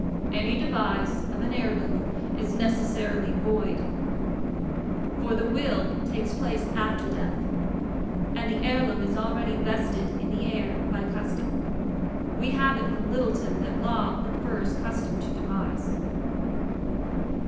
Any devise of an heirloom is necessarily void, for the will takes place after death, and the heirloom is already vested in the heir by custom. We have it from Littleton, that law prefers custom to devise.